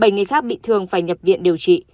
bảy người khác bị thương phải nhập viện điều trị